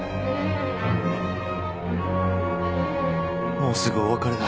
もうすぐお別れだ。